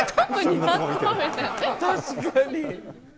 確かに。